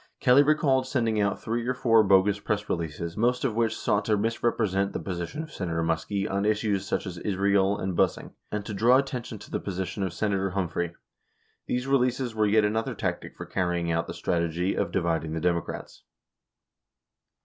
Kelly recalled sending out three or four bogus press releases, most of which sought to misrepresent the position of Senator Muskie on issues such as Israel and busing, and to draw attention to the position of Senator Hum phrey. 74 These releases were yet another tactic for carrying out the strategy of "Dividing the Democrats."